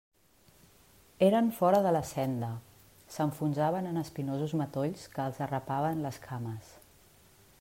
Eren fora de la senda; s'enfonsaven en espinosos matolls que els arrapaven les cames.